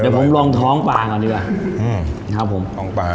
เดี๋ยวผมลองท้องปลาก่อนดีกว่าอืมนะครับผมท้องปลา